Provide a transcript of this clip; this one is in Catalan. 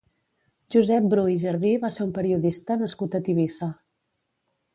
Josep Bru i Jardí va ser un periodista nascut a Tivissa.